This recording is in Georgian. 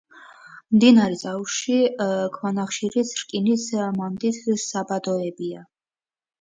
მდინარის აუზში ქვანახშირის, რკინის მადნის საბადოებია.